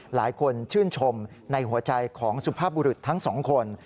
หลายคนชื่นชมในหัวใจของสุภาพบุรุษทั้งสองคน